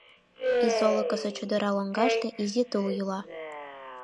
Изолыкысо, чодыра лоҥгаште, изи тул йӱла.